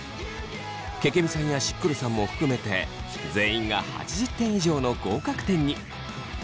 けけみさんやしっくるさんも含めて全員が８０点以上の合格点に。